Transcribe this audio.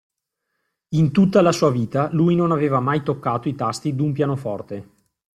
In tutta la sua vita, lui non aveva mai toccato i tasti d'un pianoforte!